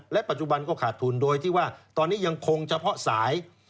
ปัจจุบันก็ขาดทุนโดยที่ว่าตอนนี้ยังคงเฉพาะสาย